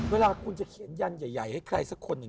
เวลาคุณจะเขียนยันใหญ่ให้ใครสักคนหนึ่ง